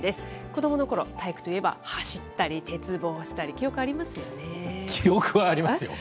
子どものころ、体育といえば走ったり鉄棒したり、記憶ありますよね？